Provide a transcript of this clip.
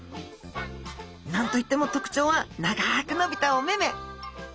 何と言っても特徴は長く伸びたお目目。